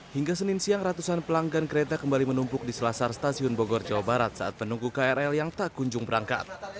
hingga senin siang ratusan pelanggan kereta kembali menumpuk di selasar stasiun bogor jawa barat saat menunggu krl yang tak kunjung berangkat